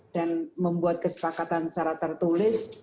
dan membuat kesepakatan secara tertulis